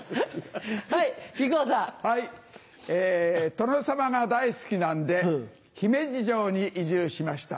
殿様が大好きなんで姫路城に移住しました。